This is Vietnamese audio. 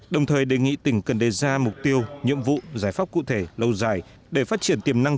đồng thời đề nghị tỉnh cần đề ra mục tiêu nhiệm vụ giải pháp cụ thể lâu dài để phát triển tiềm năng